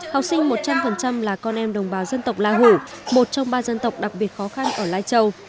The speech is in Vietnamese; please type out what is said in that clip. học sinh một trăm linh là con em đồng bào dân tộc la hủ một trong ba dân tộc đặc biệt khó khăn ở lai châu